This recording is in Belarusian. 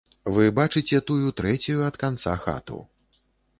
Вы бачыце тую трэцюю ад канца хату.